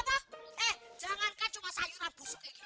apa eh jangankan cuma sayuran busuk kayak gitu